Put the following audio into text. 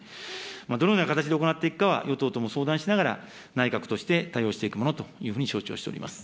どのような形で行っていくかは与党とも相談しながら、内閣として対応していくものというふうに承知をしております。